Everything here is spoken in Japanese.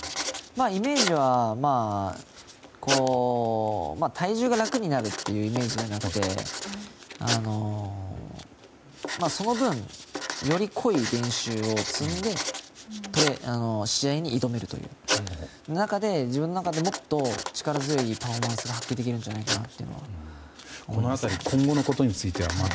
イメージは体重が楽になるというイメージじゃなくてその分、より濃い練習を積んで試合に挑めるという中で自分の中でもっと力強いパフォーマンスを発揮できるんじゃないかなと。